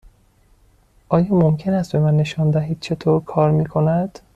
آیا ممکن است به من نشان دهید چطور کار می کند؟